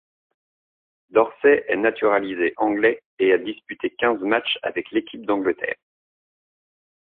Dorsey est naturalisé anglais et a disputé quinze matchs avec l'équipe d'Angleterre.